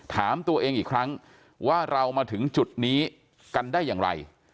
ถามตัวเองอีกครั้งว่าเรามาถึงจุดนี้กันได้อย่างไร